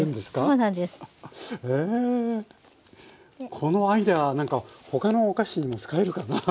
このアイデア何か他のお菓子にも使えるかなぁ？